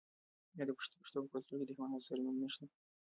آیا د پښتنو په کلتور کې د حیواناتو سره مینه نشته؟